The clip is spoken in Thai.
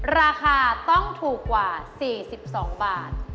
ราคาต้องถูกกว่า๔๒บาท